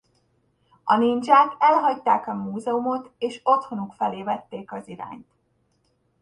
A nindzsák elhagyták a múzeumot és otthonuk felé vették az irányt.